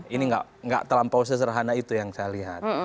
ini nggak terlampau sesederhana itu yang saya lihat